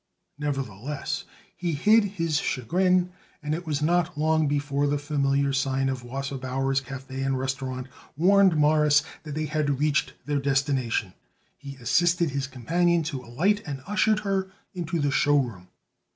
Nevertheless, he hid his chagrin, and it was not long before the familiar sign of Wasserbauer's Café and Restaurant warned Morris that they had reached their destination. He assisted his companion to alight and ushered her into the show room.